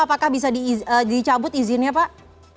apakah bisa dicabut izinnya pak